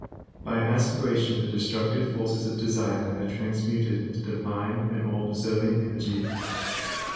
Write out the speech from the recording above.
By aspiration the destructive forces of desire are transmuted into divine and all preserving energy.